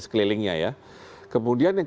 sekelilingnya ya kemudian yang